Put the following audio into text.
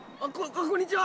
こんにちは。